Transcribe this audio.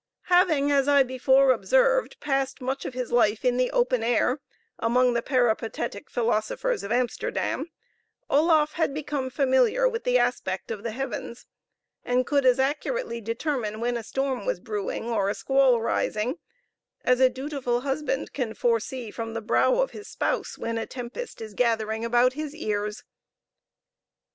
Having, as I before observed, passed much of his life in the open air, among the peripatetic philosophers of Amsterdam, Oloffe had become familiar with the aspect of the heavens, and could as accurately determine when a storm was brewing or a squall rising as a dutiful husband can foresee, from the brow of his spouse, when a tempest is gathering about his ears.